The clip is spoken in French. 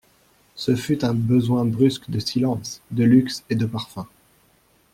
Ce fut un besoin brusque de silence, de luxe et de parfums.